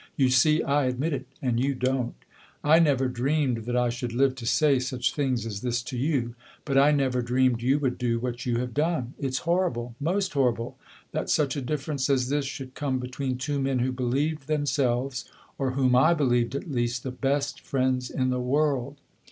You see I admit it, and you don't. I never dreamed that I should live to say such things as this to you; but I never dreamed you would do what you have done! It 's horrible, most horrible, that such a difference as this should come between two men who believed themselves or whom I believed, at least the best friends in the world.